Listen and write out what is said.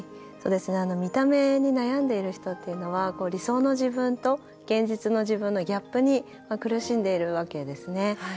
見た目に悩んでいる人っていうのは、理想の自分と現実の自分のギャップに苦しんでいるわけですね。